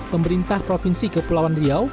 pemerintah provinsi kepulauan riau